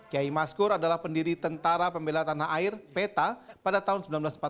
kiai maskur adalah pendiri tentara pembela tanah air peta pada tahun seribu sembilan ratus empat puluh lima